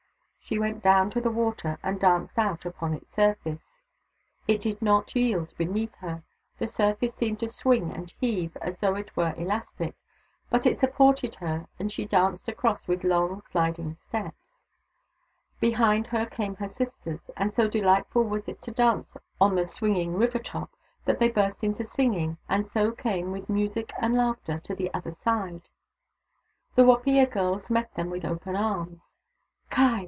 She went down to the water and danced out upon its surface. It did not yield beneath her ; the surface seemed to swing and heave as though it were elastic, but it supported her and she danced across with long, sliding steps. Behind her came her sisters ; and so delightful was it to dance on the swinging river top that they burst into singing, and so came, with music and laughter, to the other side. The Wapiya girls met them with open arms. " Ky !